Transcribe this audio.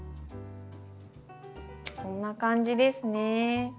こんな感じですね。